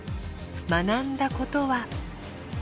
学んだことは。